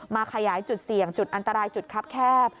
ขยายจุดเสี่ยงจุดอันตรายจุดคับแคบ